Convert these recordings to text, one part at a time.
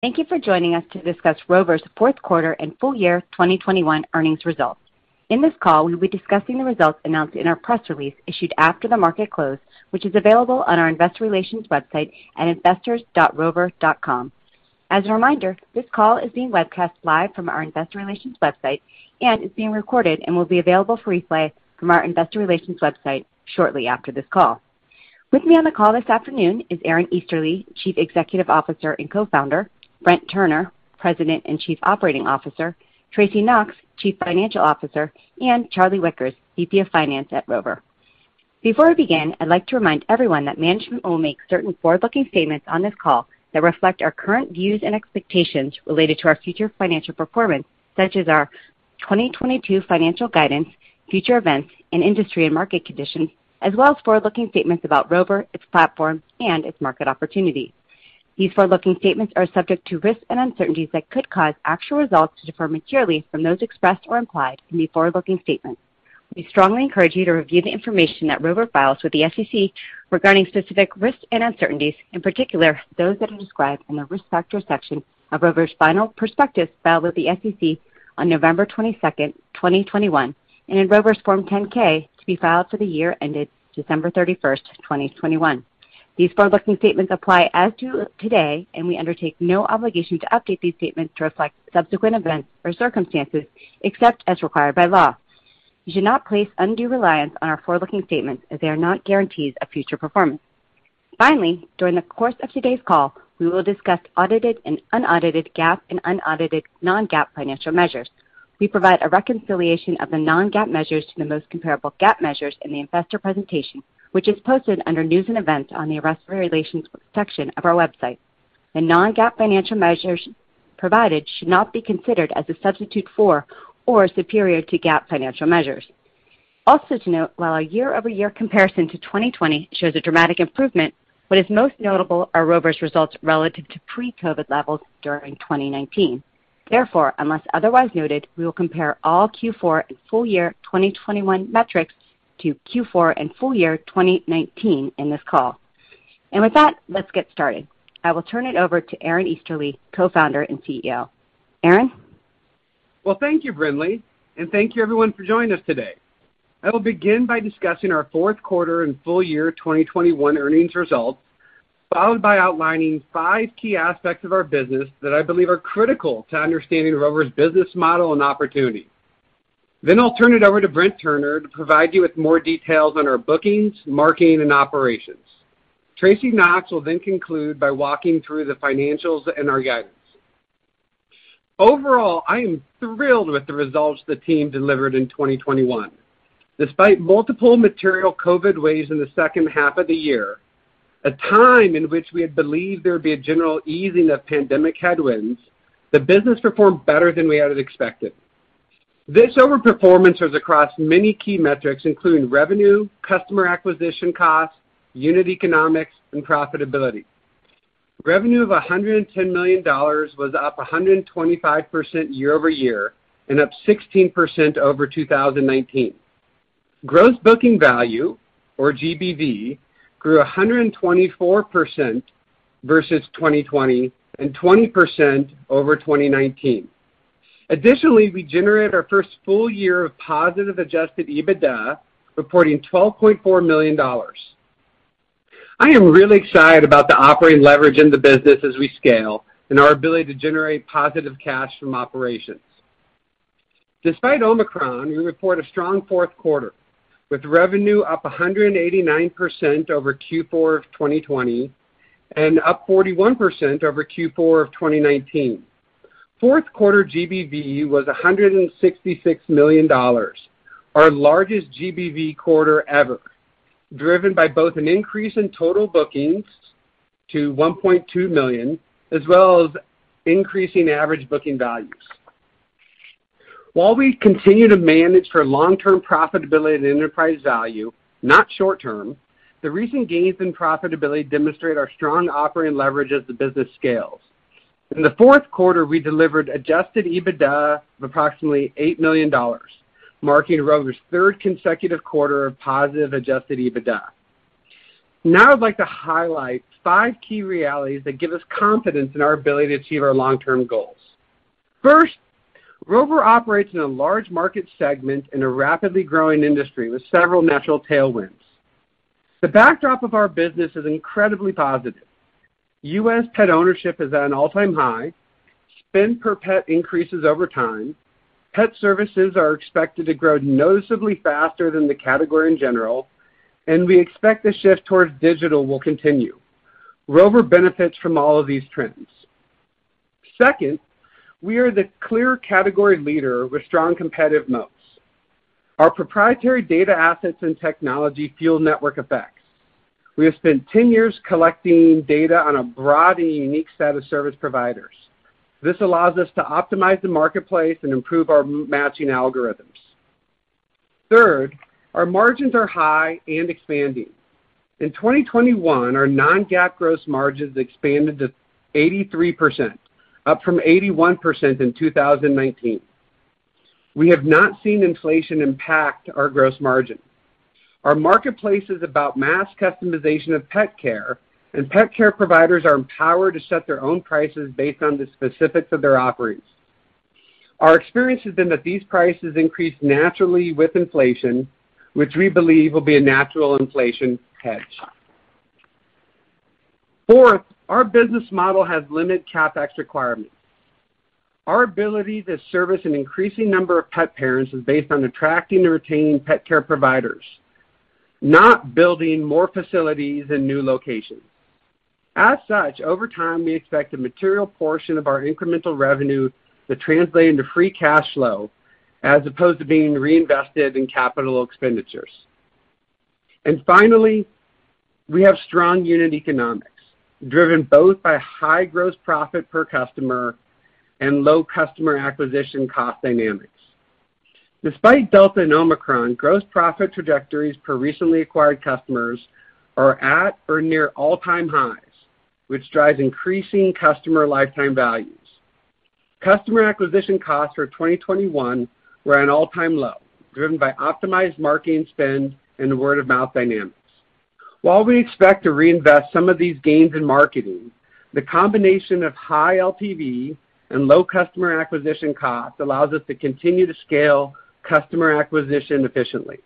Thank you for joining us to discuss Rover's fourth quarter and full year 2021 earnings results. In this call, we'll be discussing the results announced in our press release issued after the market close, which is available on our investor relations website at investors.rover.com. As a reminder, this call is being webcast live from our investor relations website and is being recorded and will be available for replay from our investor relations website shortly after this call. With me on the call this afternoon is Aaron Easterly, Chief Executive Officer and Co-founder, Brent Turner, President and Chief Operating Officer, Tracy Knox, Chief Financial Officer, and Charlie Wickers, Vice President of Finance at Rover. Before we begin, I'd like to remind everyone that management will make certain forward-looking statements on this call that reflect our current views and expectations related to our future financial performance, such as our 2022 financial guidance, future events, and industry and market conditions, as well as forward-looking statements about Rover, its platform, and its market opportunities. These forward-looking statements are subject to risks and uncertainties that could cause actual results to differ materially from those expressed or implied in the forward-looking statements. We strongly encourage you to review the information that Rover files with the SEC regarding specific risks and uncertainties, in particular, those that are described in the Risk Factors section of Rover's final prospectus filed with the SEC on November 22nd, 2021, and in Rover's Form 10-K to be filed for the year ended December 31st, 2021. These forward-looking statements apply as of today, and we undertake no obligation to update these statements to reflect subsequent events or circumstances, except as required by law. You should not place undue reliance on our forward-looking statements, as they are not guarantees of future performance. Finally, during the course of today's call, we will discuss audited and unaudited GAAP and unaudited Non-GAAP financial measures. We provide a reconciliation of the Non-GAAP measures to the most comparable GAAP measures in the investor presentation, which is posted under News and Events on the Investor Relations section of our website. The Non-GAAP financial measures provided should not be considered as a substitute for or superior to GAAP financial measures. Also to note, while our year-over-year comparison to 2020 shows a dramatic improvement, what is most notable are Rover's results relative to pre-COVID levels during 2019. Therefore, unless otherwise noted, we will compare all Q4 and full year 2021 metrics to Q4 and full year 2019 in this call. With that, let's get started. I will turn it over to Aaron Easterly, Co-founder and Chief Executive Officer. Aaron? Well, thank you, Brynley, and thank you everyone for joining us today. I will begin by discussing our fourth quarter and full year 2021 earnings results, followed by outlining five key aspects of our business that I believe are critical to understanding Rover's business model and opportunity. Then I'll turn it over to Brent Turner to provide you with more details on our bookings, marketing, and operations. Tracy Knox will then conclude by walking through the financials and our guidance. Overall, I am thrilled with the results the team delivered in 2021. Despite multiple material COVID waves in the second half of the year, a time in which we had believed there would be a general easing of pandemic headwinds, the business performed better than we had expected. This overperformance was across many key metrics, including revenue, customer acquisition costs, unit economics, and profitability. Revenue of $110 million was up 125% year-over-year and up 16% over 2019. Gross booking value, or GBV, grew 124% versus 2020 and 20% over 2019. Additionally, we generated our first full year of positive adjusted EBITDA, reporting $12.4 million. I am really excited about the operating leverage in the business as we scale and our ability to generate positive cash from operations. Despite Omicron, we report a strong fourth quarter, with revenue up 189% over Q4 of 2020 and up 41% over Q4 of 2019. Fourth quarter GBV was $166 million, our largest GBV quarter ever, driven by both an increase in total bookings to 1.2 million, as well as increasing average booking values. While we continue to manage for long-term profitability and enterprise value, not short term, the recent gains in profitability demonstrate our strong operating leverage as the business scales. In the fourth quarter, we delivered adjusted EBITDA of approximately $8 million, marking Rover's third consecutive quarter of positive adjusted EBITDA. Now I'd like to highlight five key realities that give us confidence in our ability to achieve our long-term goals. First, Rover operates in a large market segment in a rapidly growing industry with several natural tailwinds. The backdrop of our business is incredibly positive. U.S. pet ownership is at an all-time high. Spend per pet increases over time. Pet services are expected to grow noticeably faster than the category in general. We expect the shift towards digital will continue. Rover benefits from all of these trends. Second, we are the clear category leader with strong competitive moats. Our proprietary data assets and technology fuel network effects. We have spent 10 years collecting data on a broad and unique set of service providers. This allows us to optimize the marketplace and improve our matching algorithms. Third, our margins are high and expanding. In 2021, our Non-GAAP gross margins expanded to 83%, up from 81% in 2019. We have not seen inflation impact our gross margin. Our marketplace is about mass customization of pet care, and pet care providers are empowered to set their own prices based on the specifics of their offerings. Our experience has been that these prices increase naturally with inflation, which we believe will be a natural inflation hedge. Fourth, our business model has limited CapEx requirements. Our ability to service an increasing number of pet parents is based on attracting and retaining pet care providers, not building more facilities and new locations. As such, over time, we expect a material portion of our incremental revenue to translate into free cash flow as opposed to being reinvested in capital expenditures. Finally, we have strong unit economics driven both by high gross profit per customer and low customer acquisition cost dynamics. Despite Delta and Omicron, gross profit trajectories per recently acquired customers are at or near all-time highs, which drives increasing customer lifetime values. Customer acquisition costs for 2021 were an all-time low, driven by optimized marketing spend and word-of-mouth dynamics. While we expect to reinvest some of these gains in marketing, the combination of high LTV and low customer acquisition costs allows us to continue to scale customer acquisition efficiently.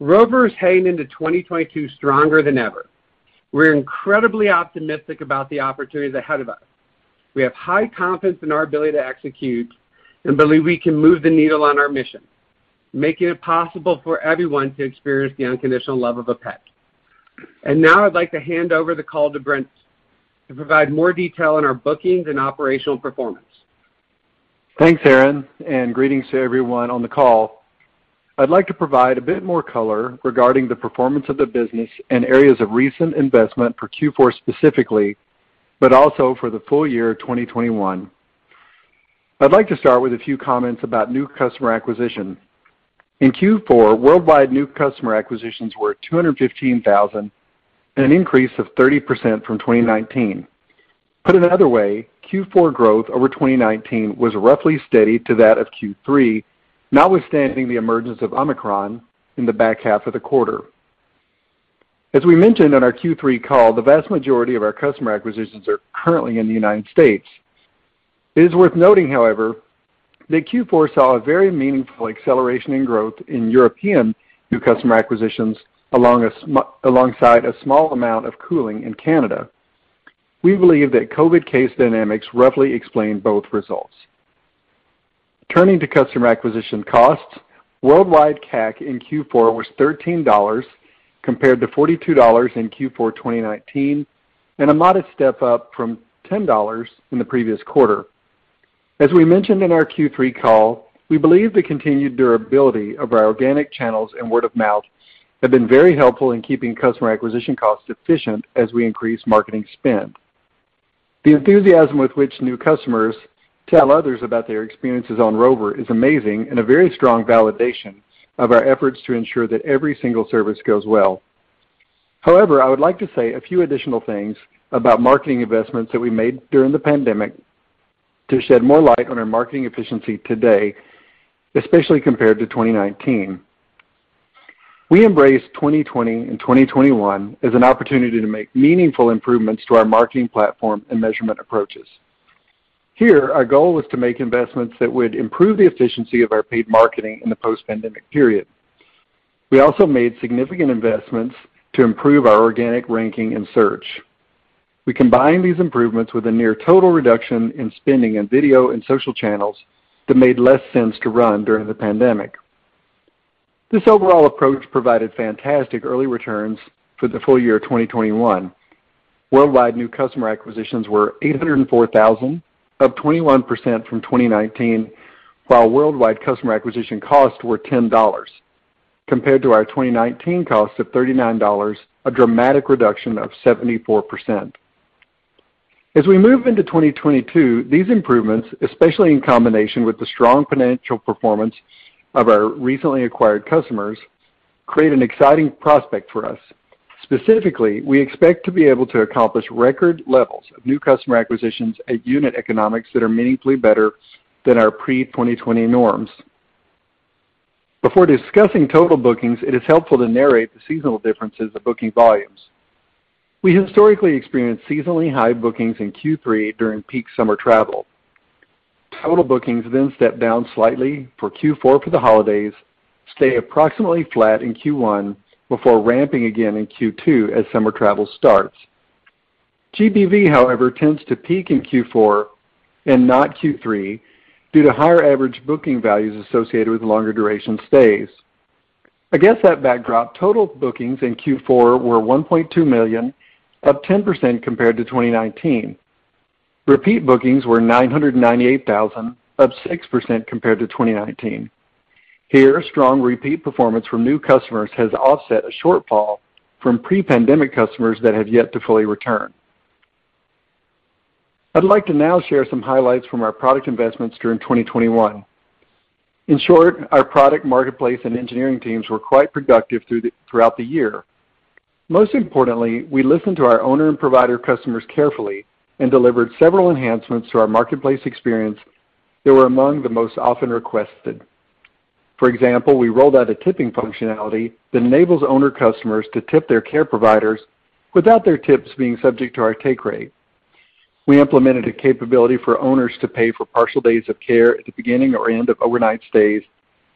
Rover is heading into 2022 stronger than ever. We're incredibly optimistic about the opportunities ahead of us. We have high confidence in our ability to execute and believe we can move the needle on our mission, making it possible for everyone to experience the unconditional love of a pet. Now I'd like to hand over the call to Brent to provide more detail on our bookings and operational performance. Thanks, Aaron, and greetings to everyone on the call. I'd like to provide a bit more color regarding the performance of the business and areas of recent investment for Q4 specifically, but also for the full year of 2021. I'd like to start with a few comments about new customer acquisition. In Q4, worldwide new customer acquisitions were 215,000, an increase of 30% from 2019. Put another way, Q4 growth over 2019 was roughly steady to that of Q3, notwithstanding the emergence of Omicron in the back half of the quarter. As we mentioned on our Q3 call, the vast majority of our customer acquisitions are currently in the United States. It is worth noting, however, that Q4 saw a very meaningful acceleration in growth in European new customer acquisitions alongside a small amount of cooling in Canada. We believe that COVID case dynamics roughly explain both results. Turning to customer acquisition costs, worldwide CAC in Q4 was $13, compared to $42 in Q4 2019, and a modest step up from $10 in the previous quarter. As we mentioned in our Q3 call, we believe the continued durability of our organic channels and word of mouth have been very helpful in keeping customer acquisition costs efficient as we increase marketing spend. The enthusiasm with which new customers tell others about their experiences on Rover is amazing and a very strong validation of our efforts to ensure that every single service goes well. However, I would like to say a few additional things about marketing investments that we made during the pandemic to shed more light on our marketing efficiency today, especially compared to 2019. We embraced 2020 and 2021 as an opportunity to make meaningful improvements to our marketing platform and measurement approaches. Here, our goal was to make investments that would improve the efficiency of our paid marketing in the post-pandemic period. We also made significant investments to improve our organic ranking in search. We combined these improvements with a near total reduction in spending in video and social channels that made less sense to run during the pandemic. This overall approach provided fantastic early returns for the full year of 2021. Worldwide new customer acquisitions were 804,000, up 21% from 2019, while worldwide customer acquisition costs were $10 compared to our 2019 cost of $39, a dramatic reduction of 74%. As we move into 2022, these improvements, especially in combination with the strong financial performance of our recently acquired customers, create an exciting prospect for us. Specifically, we expect to be able to accomplish record levels of new customer acquisitions at unit economics that are meaningfully better than our pre-2020 norms. Before discussing total bookings, it is helpful to narrate the seasonal differences of booking volumes. We historically experience seasonally high bookings in Q3 during peak summer travel. Total bookings then step down slightly for Q4 for the holidays, stay approximately flat in Q1 before ramping again in Q2 as summer travel starts. GBV, however, tends to peak in Q4 and not Q3 due to higher average booking values associated with longer duration stays. Against that backdrop, total bookings in Q4 were $1.2 million, up 10% compared to 2019. Repeat bookings were 998,000, up 6% compared to 2019. Here, strong repeat performance from new customers has offset a shortfall from pre-pandemic customers that have yet to fully return. I'd like to now share some highlights from our product investments during 2021. In short, our product, marketplace, and engineering teams were quite productive throughout the year. Most importantly, we listened to our owner and provider customers carefully and delivered several enhancements to our marketplace experience that were among the most often requested. For example, we rolled out a tipping functionality that enables owner customers to tip their care providers without their tips being subject to our take rate. We implemented a capability for owners to pay for partial days of care at the beginning or end of overnight stays,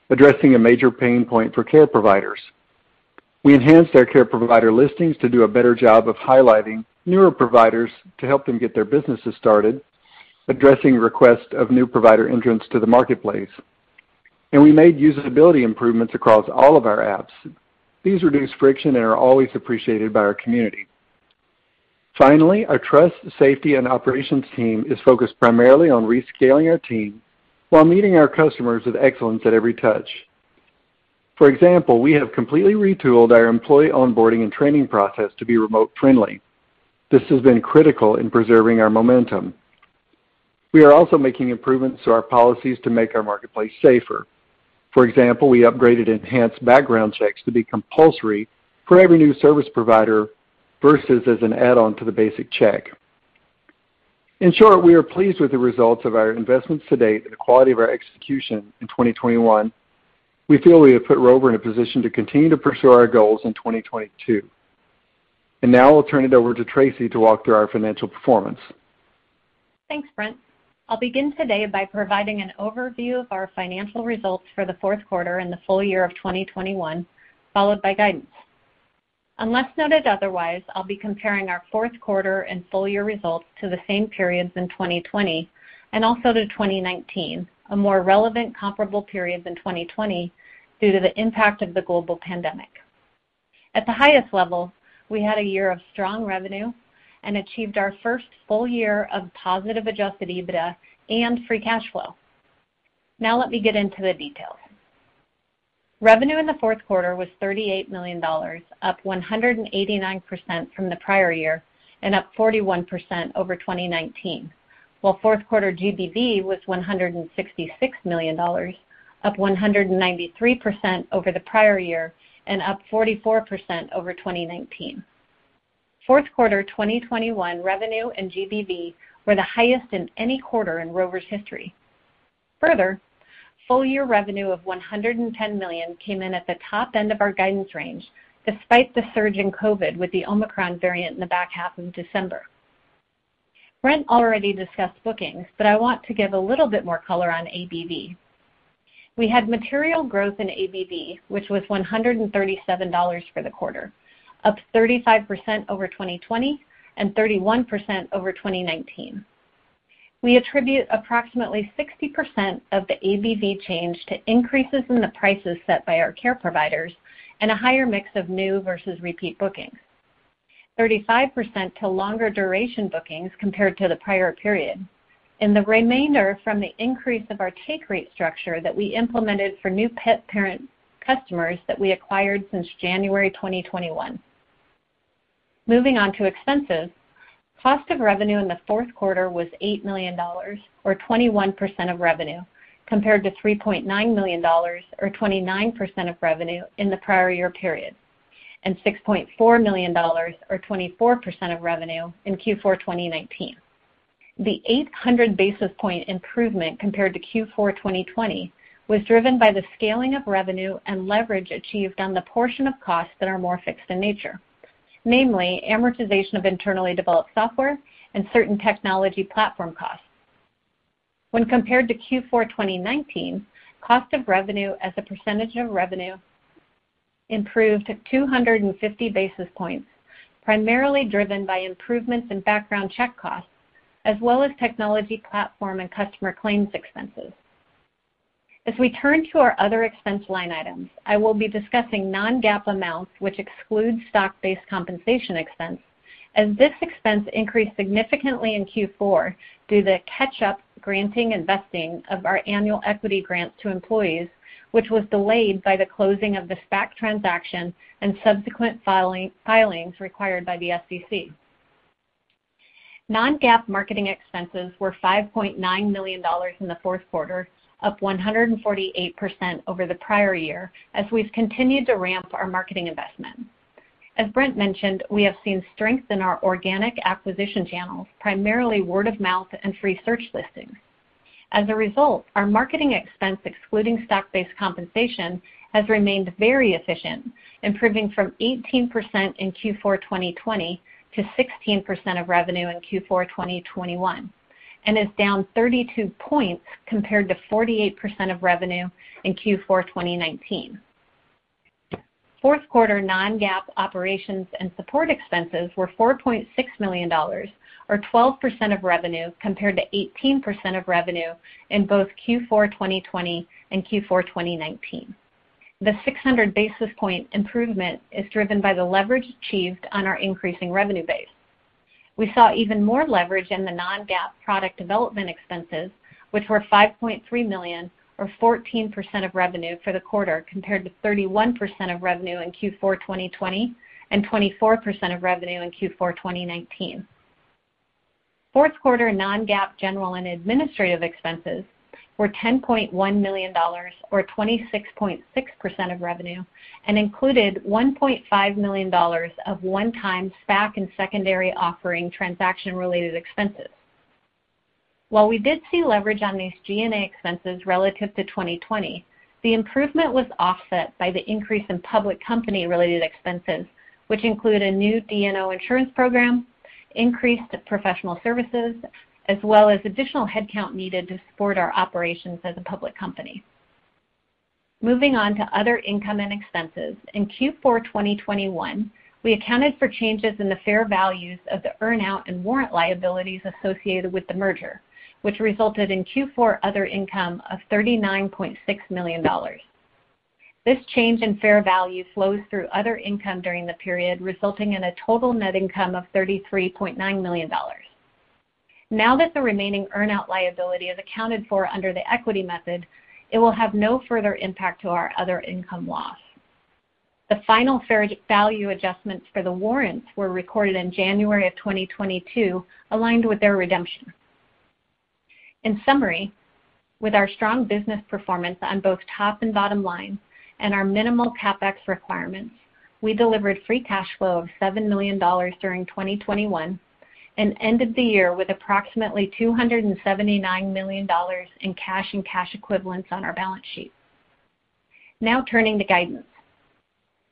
addressing a major pain point for care providers. We enhanced our care provider listings to do a better job of highlighting newer providers to help them get their businesses started, addressing requests of new provider entrants to the marketplace. We made usability improvements across all of our apps. These reduce friction and are always appreciated by our community. Finally, our trust, safety, and operations team is focused primarily on rescaling our team while meeting our customers with excellence at every touch. For example, we have completely retooled our employee onboarding and training process to be remote-friendly. This has been critical in preserving our momentum. We are also making improvements to our policies to make our marketplace safer. For example, we upgraded enhanced background checks to be compulsory for every new service provider versus as an add-on to the basic check. In short, we are pleased with the results of our investments to date and the quality of our execution in 2021. We feel we have put Rover in a position to continue to pursue our goals in 2022. Now I'll turn it over to Tracy to walk through our financial performance. Thanks, Brent. I'll begin today by providing an overview of our financial results for the fourth quarter and the full year of 2021, followed by guidance. Unless noted otherwise, I'll be comparing our fourth quarter and full year results to the same periods in 2020 and also to 2019, a more relevant comparable period than 2020 due to the impact of the global pandemic. At the highest level, we had a year of strong revenue and achieved our first full year of positive adjusted EBITDA and free cash flow. Now let me get into the details. Revenue in the fourth quarter was $38 million, up 189% from the prior year and up 41% over 2019, while fourth quarter GBV was $166 million, up 193% over the prior year and up 44% over 2019. Fourth quarter 2021 revenue and GBV were the highest in any quarter in Rover's history. Further, full year revenue of $110 million came in at the top end of our guidance range, despite the surge in COVID with the Omicron variant in the back half of December. Brent already discussed bookings, but I want to give a little bit more color on ABV. We had material growth in ABV, which was $137 for the quarter, up 35% over 2020 and 31% over 2019. We attribute approximately 60% of the ABV change to increases in the prices set by our care providers and a higher mix of new versus repeat bookings, 35% to longer duration bookings compared to the prior period, and the remainder from the increase of our take rate structure that we implemented for new pet parent customers that we acquired since January 2021. Moving on to expenses, cost of revenue in the fourth quarter was $8 million or 21% of revenue, compared to $3.9 million or 29% of revenue in the prior year period, and $6.4 million or 24% of revenue in Q4 2019. The 800 basis point improvement compared to Q4 2020 was driven by the scaling of revenue and leverage achieved on the portion of costs that are more fixed in nature, namely amortization of internally developed software and certain technology platform costs. When compared to Q4 2019, cost of revenue as a percentage of revenue improved 250 basis points, primarily driven by improvements in background check costs as well as technology platform and customer claims expenses. As we turn to our other expense line items, I will be discussing Non-GAAP amounts, which excludes stock-based compensation expense, as this expense increased significantly in Q4 due to catch-up granting and vesting of our annual equity grants to employees, which was delayed by the closing of the SPAC transaction and subsequent filings required by the SEC. Non-GAAP marketing expenses were $5.9 million in the fourth quarter, up 148% over the prior year as we've continued to ramp our marketing investment. As Brent mentioned, we have seen strength in our organic acquisition channels, primarily word of mouth and free search listings. As a result, our marketing expense excluding stock-based compensation has remained very efficient, improving from 18% in Q4 2020 to 16% of revenue in Q4 2021, and is down 32 points compared to 48% of revenue in Q4 2019. Fourth quarter Non-GAAP operations and support expenses were $4.6 million or 12% of revenue compared to 18% of revenue in both Q4 2020 and Q4 2019. The 600 basis point improvement is driven by the leverage achieved on our increasing revenue base. We saw even more leverage in the Non-GAAP product development expenses, which were $5.3 million or 14% of revenue for the quarter compared to 31% of revenue in Q4 2020 and 24% of revenue in Q4 2019. Fourth quarter Non-GAAP general and administrative expenses were $10.1 million or 26.6% of revenue, and included $1.5 million of one-time SPAC and secondary offering transaction-related expenses. While we did see leverage on these G&A expenses relative to 2020, the improvement was offset by the increase in public company related expenses, which include a new D&O insurance program, increased professional services, as well as additional headcount needed to support our operations as a public company. Moving on to other income and expenses. In Q4 2021, we accounted for changes in the fair values of the earn-out and warrant liabilities associated with the merger, which resulted in Q4 other income of $39.6 million. This change in fair value flows through other income during the period, resulting in a total net income of $33.9 million. Now that the remaining earn-out liability is accounted for under the equity method, it will have no further impact to our other income loss. The final fair value adjustments for the warrants were recorded in January 2022, aligned with their redemption. In summary, with our strong business performance on both top and bottom line and our minimal CapEx requirements, we delivered free cash flow of $7 million during 2021 and ended the year with approximately $279 million in cash and cash equivalents on our balance sheet. Now turning to guidance.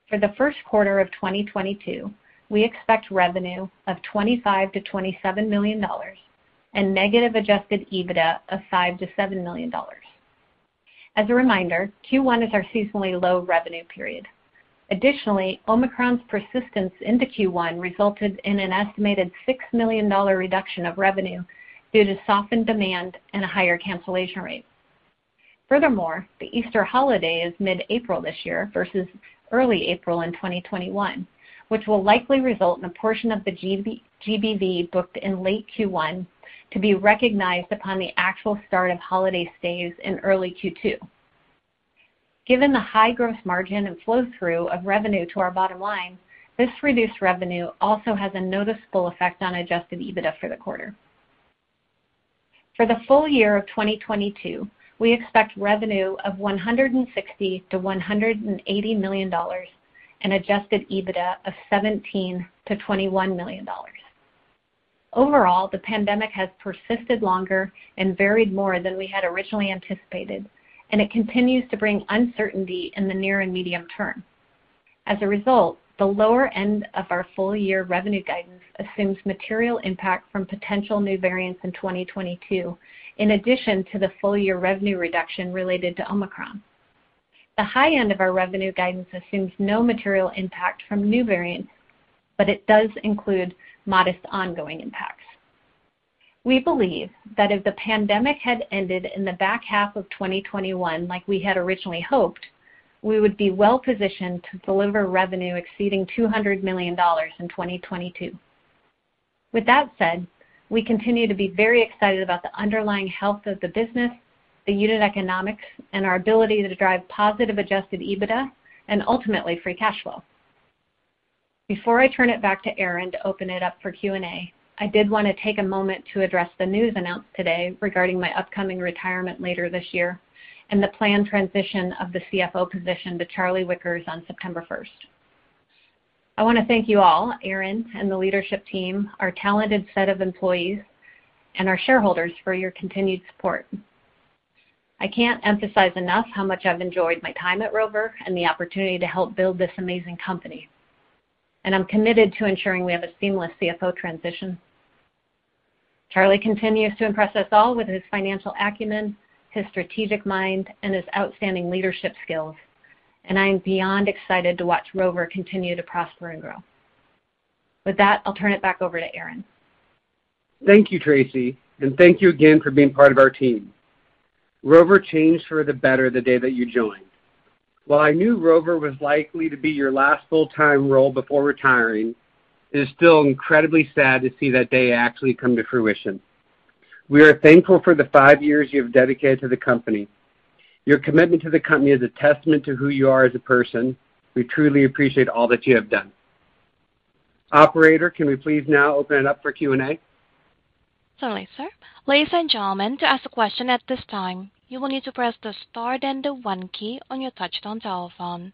For the first quarter of 2022, we expect revenue of $25 million-$27 million and negative adjusted EBITDA of $5 million-$7 million. As a reminder, Q1 is our seasonally low revenue period. Additionally, Omicron's persistence into Q1 resulted in an estimated $6 million reduction of revenue due to softened demand and a higher cancellation rate. Furthermore, the Easter holiday is mid-April this year versus early April in 2021, which will likely result in a portion of the GBV booked in late Q1 to be recognized upon the actual start of holiday stays in early Q2. Given the high growth margin and flow through of revenue to our bottom line, this reduced revenue also has a noticeable effect on adjusted EBITDA for the quarter. For the full year of 2022, we expect revenue of $160 million-$180 million and adjusted EBITDA of $17 million-$21 million. Overall, the pandemic has persisted longer and varied more than we had originally anticipated, and it continues to bring uncertainty in the near and medium term. As a result, the lower end of our full year revenue guidance assumes material impact from potential new variants in 2022, in addition to the full year revenue reduction related to Omicron. The high end of our revenue guidance assumes no material impact from new variants, but it does include modest ongoing impacts. We believe that if the pandemic had ended in the back half of 2021 like we had originally hoped, we would be well-positioned to deliver revenue exceeding $200 million in 2022. With that said, we continue to be very excited about the underlying health of the business, the unit economics, and our ability to drive positive adjusted EBITDA and ultimately free cash flow. Before I turn it back to Aaron to open it up for Q&A, I did wanna take a moment to address the news announced today regarding my upcoming retirement later this year and the planned transition of the CFO position to Charlie Wickers on September first. I wanna thank you all, Aaron and the leadership team, our talented set of employees, and our shareholders for your continued support. I can't emphasize enough how much I've enjoyed my time at Rover and the opportunity to help build this amazing company, and I'm committed to ensuring we have a seamless Chief Financial Officer transition. Charlie continues to impress us all with his financial acumen, his strategic mind, and his outstanding leadership skills, and I am beyond excited to watch Rover continue to prosper and grow. With that, I'll turn it back over to Aaron. Thank you, Tracy, and thank you again for being part of our team. Rover changed for the better the day that you joined. While I knew Rover was likely to be your last full-time role before retiring, it is still incredibly sad to see that day actually come to fruition. We are thankful for the five years you have dedicated to the company. Your commitment to the company is a testament to who you are as a person. We truly appreciate all that you have done. Operator, can we please now open it up for Q&A? Certainly, sir. Ladies and gentlemen, to ask a question at this time, you will need to press the star then the one key on your touch-tone telephone.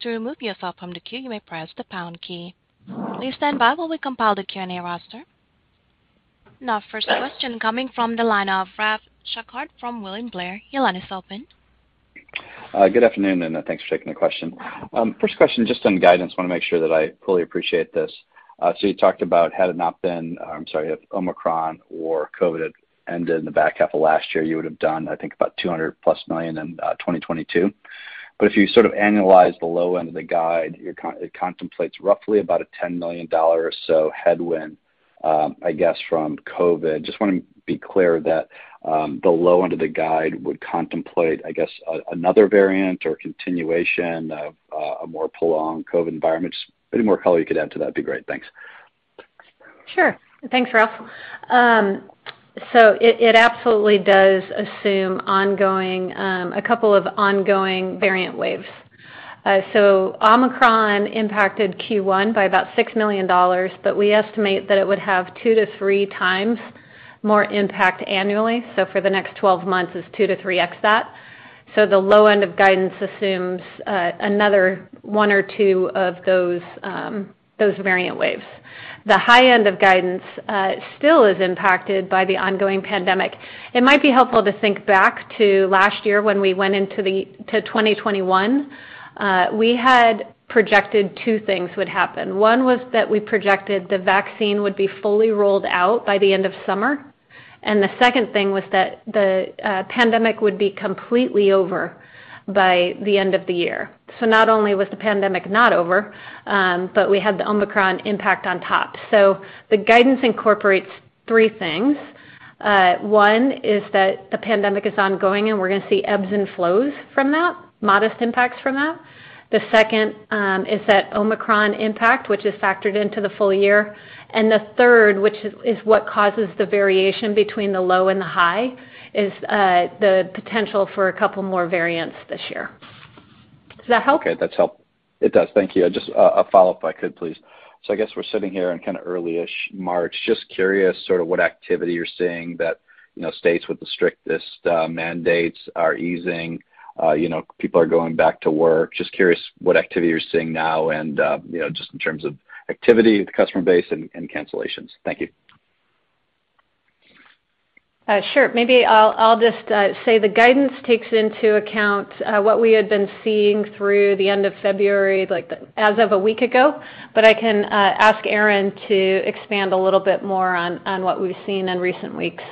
To remove yourself from the queue, you may press the pound key. Please stand by while we compile the Q&A roster. Now first question coming from the line of Ralph Schackart from William Blair. Your line is open. Good afternoon, and thanks for taking the question. First question just on guidance. Wanna make sure that I fully appreciate this. So you talked about, had it not been, sorry, if Omicron or COVID had ended in the back half of last year, you would have done, I think, about $200+ million in 2022. If you sort of annualize the low end of the guide, it contemplates roughly about a $10 million or so headwind, I guess, from COVID. Just wanna be clear that the low end of the guide would contemplate, I guess, another variant or continuation of a more prolonged COVID environment. Just any more color you could add to that would be great. Thanks. Sure. Thanks, Ralph. It absolutely does assume a couple of ongoing variant waves. Omicron impacted Q1 by about $6 million, but we estimate that it would have 2x-3x more impact annually. For the next 12 months is 2x-3x that. The low end of guidance assumes another one or two of those variant waves. The high end of guidance still is impacted by the ongoing pandemic. It might be helpful to think back to last year when we went into 2021. We had projected two things would happen. One was that we projected the vaccine would be fully rolled out by the end of summer, and the second thing was that the pandemic would be completely over by the end of the year. Not only was the pandemic not over, but we had the Omicron impact on top. The guidance incorporates three things. One is that the pandemic is ongoing, and we're gonna see ebbs and flows from that, modest impacts from that. The second is that Omicron impact, which is factored into the full year. The third, which is what causes the variation between the low and the high, is the potential for a couple more variants this year. Does that help? Okay. That's helpful. It does. Thank you. Just a follow-up if I could please. I guess we're sitting here in kind of early-ish March. Just curious sort of what activity you're seeing that, you know, states with the strictest mandates are easing, you know, people are going back to work. Just curious what activity you're seeing now and, you know, just in terms of activity with the customer base and cancellations. Thank you. Sure. Maybe I'll just say the guidance takes into account what we had been seeing through the end of February, like as of a week ago, but I can ask Aaron to expand a little bit more on what we've seen in recent weeks.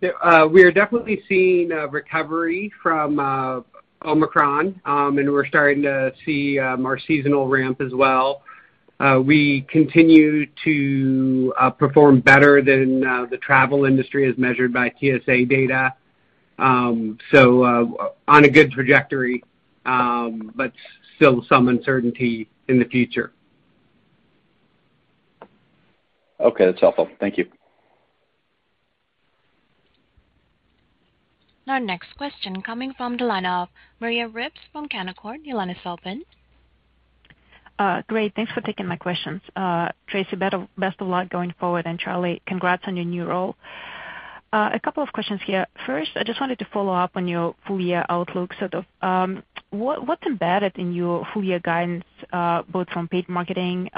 We are definitely seeing a recovery from Omicron, and we're starting to see our seasonal ramp as well. We continue to perform better than the travel industry as measured by TSA data. On a good trajectory, but still some uncertainty in the future. Okay, that's helpful. Thank you. Our next question coming from the line of Maria Ripps from Canaccord. Your line is open. Great. Thanks for taking my questions. Tracy, best of luck going forward, and Charlie, congrats on your new role. A couple of questions here. First, I just wanted to follow up on your full year outlook sort of, what's embedded in your full year guidance, both from paid marketing,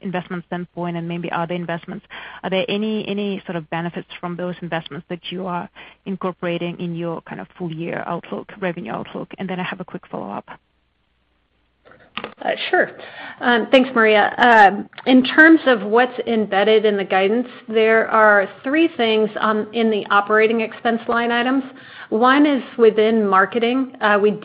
investment standpoint and maybe other investments? Are there any sort of benefits from those investments that you are incorporating in your kind of full year outlook, revenue outlook? And then I have a quick follow-up. Sure. Thanks, Maria. In terms of what's embedded in the guidance, there are three things in the operating expense line items. One is within marketing. We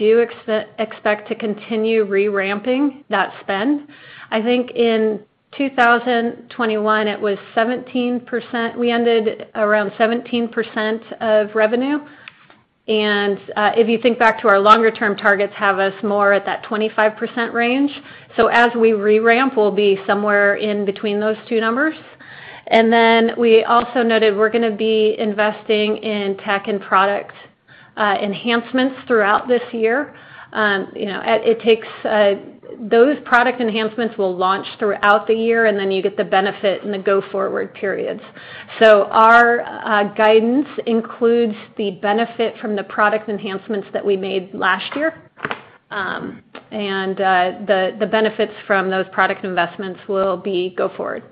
expect to continue re-ramping that spend. I think in 2021, it was 17%. We ended around 17% of revenue. If you think back to our longer-term targets have us more at that 25% range. As we re-ramp, we'll be somewhere in between those two numbers. We also noted we're gonna be investing in tech and product enhancements throughout this year. You know, those product enhancements will launch throughout the year, and then you get the benefit in the go-forward periods. Our guidance includes the benefit from the product enhancements that we made last year. The benefits from those product investments will be going forward.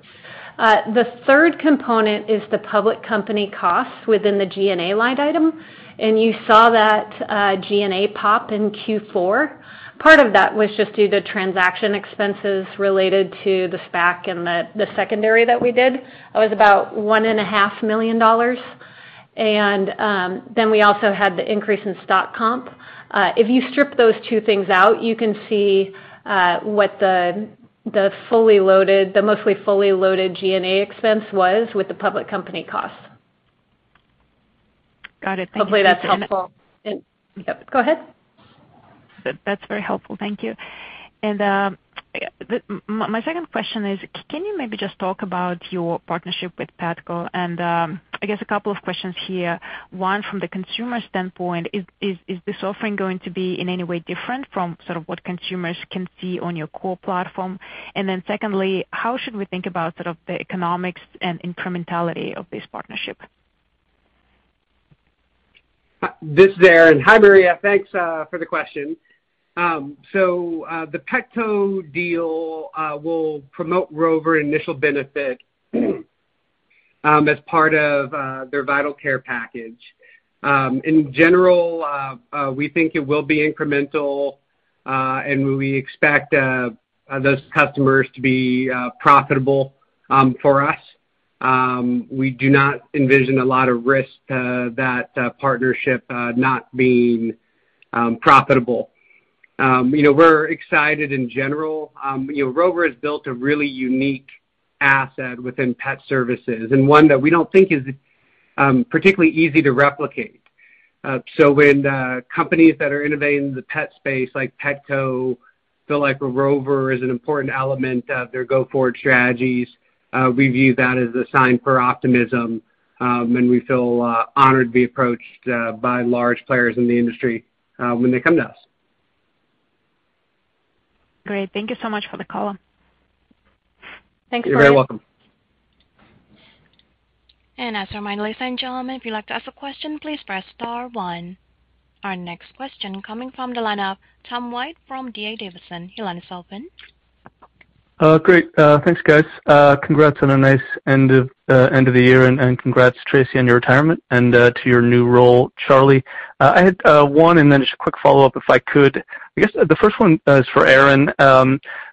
The third component is the public company costs within the G&A line item. You saw that G&A pop in Q4. Part of that was just due to transaction expenses related to the SPAC and the secondary that we did. It was about $1.5 million. We also had the increase in stock comp. If you strip those two things out, you can see what the mostly fully loaded G&A expense was with the public company costs. Got it. Thank you. Hopefully that's helpful. And- Yep. Go ahead. That's very helpful. Thank you. My second question is, can you maybe just talk about your partnership with Petco? I guess a couple of questions here. One, from the consumer standpoint, is this offering going to be in any way different from sort of what consumers can see on your core platform? Secondly, how should we think about sort of the economics and incrementality of this partnership? This is Aaron. Hi, Maria, thanks for the question. The Petco deal will promote Rover initial benefit as part of their Vital Care package. In general, we think it will be incremental and we expect those customers to be profitable for us. We do not envision a lot of risk to that partnership not being profitable. You know, we're excited in general. You know, Rover has built a really unique asset within pet services and one that we don't think is particularly easy to replicate. When companies that are innovating in the pet space like Petco feel like Rover is an important element of their go-forward strategies. We view that as a sign for optimism, and we feel honored to be approached by large players in the industry when they come to us. Great. Thank you so much for the call. You're very welcome. As a reminder, ladies and gentlemen, if you'd like to ask a question, please press star one. Our next question coming from the line of Tom White from D.A. Davidson. Your line is open. Great. Thanks, guys. Congrats on a nice end of the year, and congrats, Tracy, on your retirement and to your new role, Charlie. I had one and then just a quick follow-up if I could. I guess the first one is for Aaron. I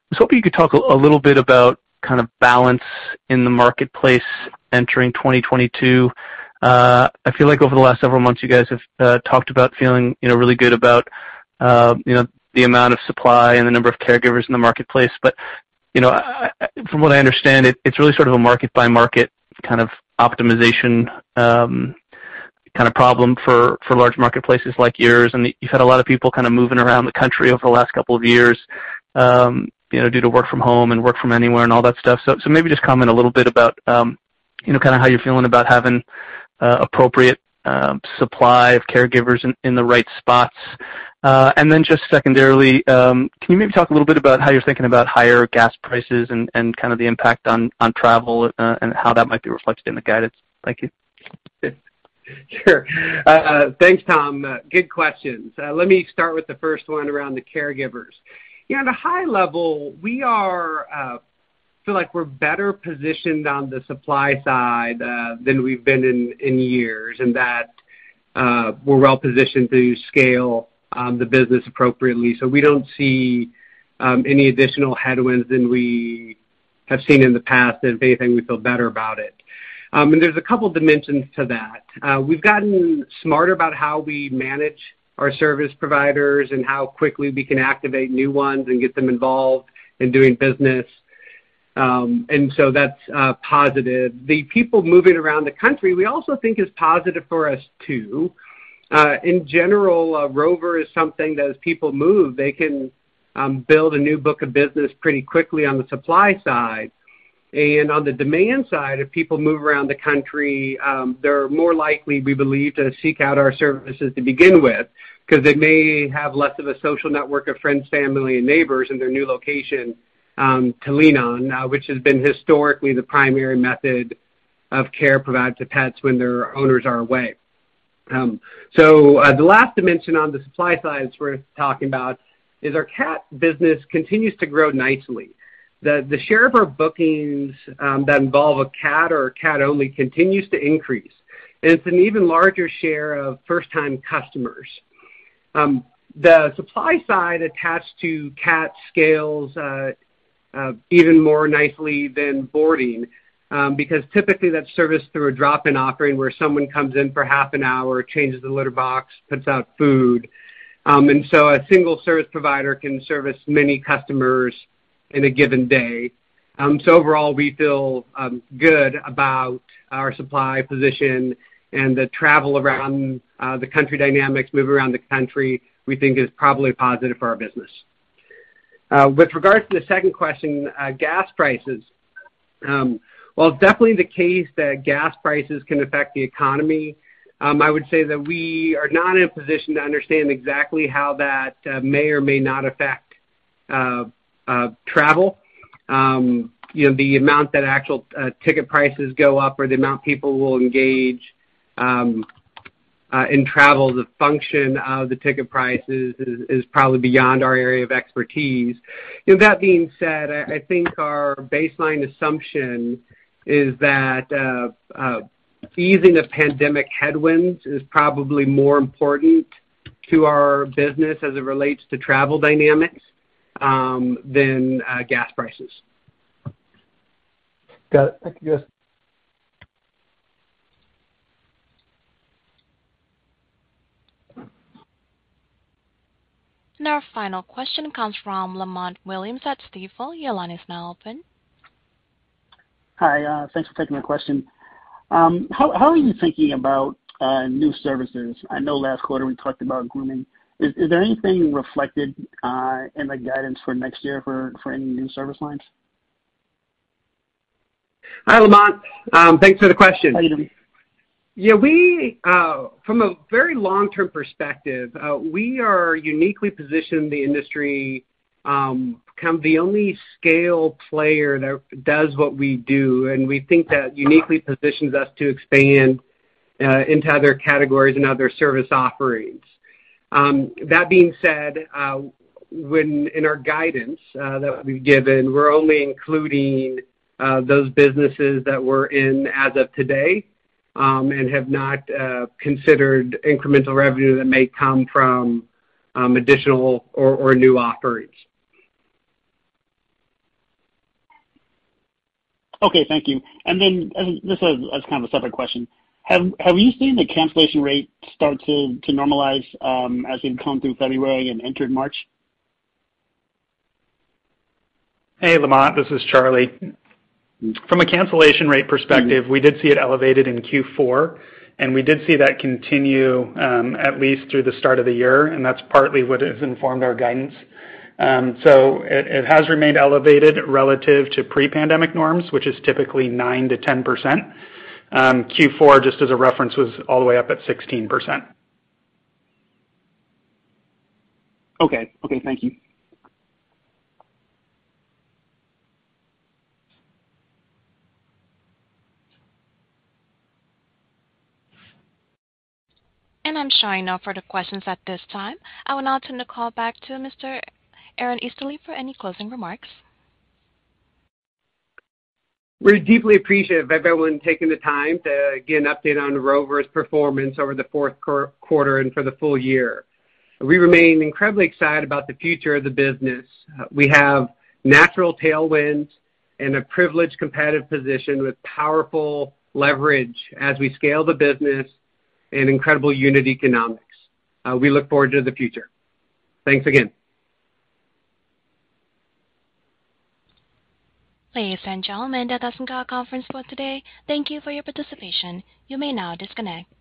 was hoping you could talk a little bit about kind of balance in the marketplace entering 2022. I feel like over the last several months, you guys have talked about feeling, you know, really good about, you know, the amount of supply and the number of caregivers in the marketplace. You know, from what I understand, it's really sort of a market-by-market kind of optimization kind of problem for large marketplaces like yours. You've had a lot of people kind of moving around the country over the last couple of years, you know, due to work from home and work from anywhere and all that stuff. Maybe just comment a little bit about, you know, kinda how you're feeling about having appropriate supply of caregivers in the right spots. Just secondarily, can you maybe talk a little bit about how you're thinking about higher gas prices and kind of the impact on travel, and how that might be reflected in the guidance? Thank you. Sure. Thanks, Tom. Good questions. Let me start with the first one around the caregivers. Yeah, at a high level, we feel like we're better positioned on the supply side than we've been in years, and that we're well positioned to scale the business appropriately. We don't see any additional headwinds than we have seen in the past, and if anything, we feel better about it. There's a couple dimensions to that. We've gotten smarter about how we manage our service providers and how quickly we can activate new ones and get them involved in doing business. That's positive. The people moving around the country we also think is positive for us too. In general, Rover is something that as people move, they can build a new book of business pretty quickly on the supply side. On the demand side, if people move around the country, they're more likely, we believe, to seek out our services to begin with because they may have less of a social network of friends, family, and neighbors in their new location to lean on, which has been historically the primary method of care provided to pets when their owners are away. The last dimension on the supply side is we're talking about our cat business continues to grow nicely. The share of our bookings that involve a cat or a cat only continues to increase, and it's an even larger share of first-time customers. The supply side attached to cat sits even more nicely than boarding because typically that's serviced through a drop-in offering where someone comes in for half an hour, changes the litter box, puts out food. A single service provider can service many customers in a given day. Overall, we feel good about our supply position and the travel around the country, we think is probably positive for our business. With regards to the second question, gas prices. While it's definitely the case that gas prices can affect the economy, I would say that we are not in a position to understand exactly how that may or may not affect travel. You know, the amount that actual ticket prices go up or the amount people will engage in travel, the function of the ticket prices is probably beyond our area of expertise. With that being said, I think our baseline assumption is that easing the pandemic headwinds is probably more important to our business as it relates to travel dynamics than gas prices. Got it. Thank you, guys. Our final question comes from Lamont Williams at Stifel. Your line is now open. Hi, thanks for taking my question. How are you thinking about new services? I know last quarter we talked about Grooming. Is there anything reflected in the guidance for next year for any new service lines? Hi, Lamont. Thanks for the question. How you doing? Yeah, from a very long-term perspective, we are uniquely positioned in the industry to become the only scale player that does what we do, and we think that uniquely positions us to expand into other categories and other service offerings. That being said, in our guidance that we've given, we're only including those businesses that we're in as of today, and have not considered incremental revenue that may come from additional or new offerings. Okay, thank you. As kind of a separate question, have you seen the cancellation rate start to normalize as we've come through February and entered March? Hey, Lamont, this is Charlie. From a cancellation rate perspective, we did see it elevated in Q4, and we did see that continue at least through the start of the year, and that's partly what has informed our guidance. It has remained elevated relative to pre-pandemic norms, which is typically 9%-10%. Q4, just as a reference, was all the way up at 16%. Okay, thank you. I'm showing no further questions at this time. I will now turn the call back to Mr. Aaron Easterly for any closing remarks. We're deeply appreciative of everyone taking the time to get an update on Rover's performance over the fourth quarter and for the full year. We remain incredibly excited about the future of the business. We have natural tailwinds and a privileged competitive position with powerful leverage as we scale the business and incredible unit economics. We look forward to the future. Thanks again. Ladies and gentlemen, that does end our conference call today. Thank you for your participation. You may now disconnect.